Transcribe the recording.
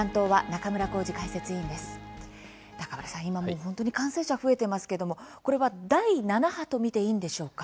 中村さん、今、本当に感染者が増えていますけどもこれは第７波と見ていいんでしょうか？